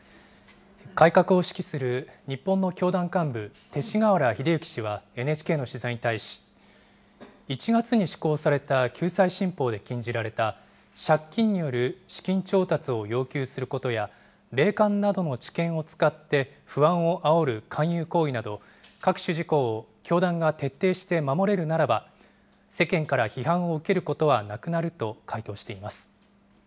改革を指揮する日本の教団幹部、勅使河原秀行氏はＮＨＫの取材に対し、１月に施行された救済新法で禁じられた借金による資金調達を要求することや、霊感などの知見を使って不安をあおる勧誘行為など、各種事項を教団が徹底して守れるならば、世間から批判を受けることはなくなると回答しています。